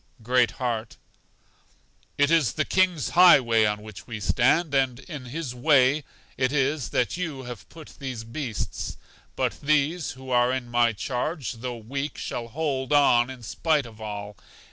Great heart: It is the King's high way on which we stand, and in His way it is that you have put these beasts. But these, who are in my charge, though weak, shall hold on in spite of all.